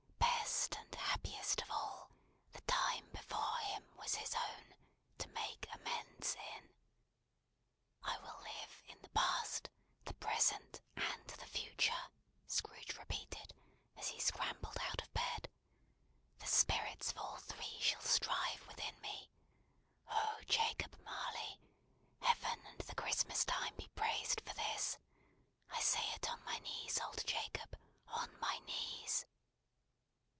Best and happiest of all, the Time before him was his own, to make amends in! "I will live in the Past, the Present, and the Future!" Scrooge repeated, as he scrambled out of bed. "The Spirits of all Three shall strive within me. Oh Jacob Marley! Heaven, and the Christmas Time be praised for this! I say it on my knees, old Jacob; on my knees!"